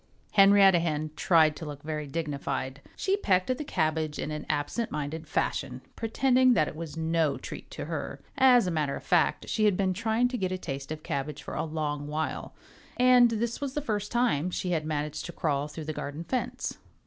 Henrietta Hen tried to look very dignified. She pecked at the cabbage in an absent minded fashion, pretending that it was no treat to her. As a matter of fact, she had been trying to get a taste of cabbage for a long while. And this was the first time she had managed to crawl through the garden fence.